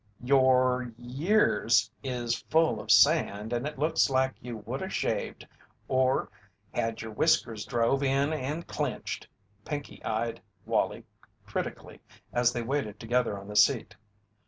"Your y ears is full of sand and it looks like you woulda shaved or had your whiskers drove in and clinched." Pinkey eyed Wallie critically as they waited together on the seat.